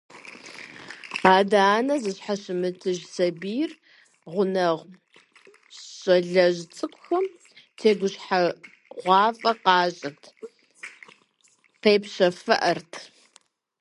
Адэ-анэ зыщхьэщымытыж сэбийр, гъунэгъу щалэжь цӏыкӏухэм тегушхуэгъуафӏэ къащӏырт, къепщэфыӏэрт.